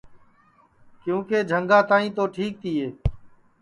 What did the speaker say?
کیونکہ جھنگا تک تو ٹھیک تیے